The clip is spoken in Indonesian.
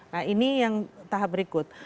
nah ini yang tahap berikut